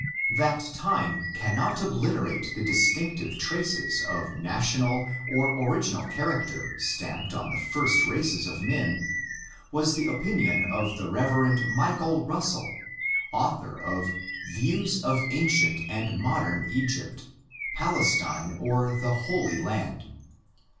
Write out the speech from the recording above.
That time cannot obliterate the distinctive traces of national or original character stamped on the first races of men, was the opinion of the Rev. Michael Russell, LL. D., author of Views of Ancient and Modern Egypt, Palestine or the Holy Land.